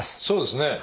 そうですね。